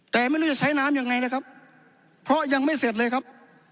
แต่ไม่รู้จะใช้น้ำยังไงนะครับเพราะยังไม่เสร็จเลยครับ